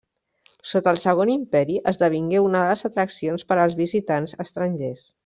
Sota el Segon Imperi esdevingué una de les atraccions per als visitants estrangers.